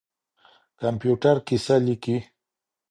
کمپيوټر کيسه ليکي.